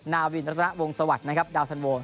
นาวินรัฐนาวงศวรรค์นะครับดาวสันโว